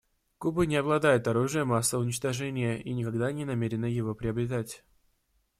Куба не обладает оружием массового уничтожения и никогда не намерена его приобретать.